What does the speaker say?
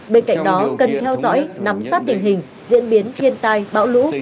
bên cạnh đó cần theo dõi nắm sát tình hình diễn biến thiên tai bão lũ